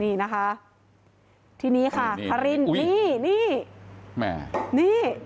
นี่นะคะที่นี้ค่ะคารีน